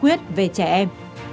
tuyết về trẻ em